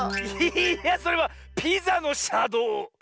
いやそれは「ピザのしゃどう」！